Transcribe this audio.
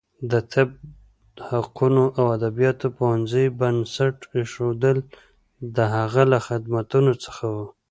د طب، حقوقو او ادبیاتو پوهنځیو بنسټ ایښودل د هغه له خدمتونو څخه و.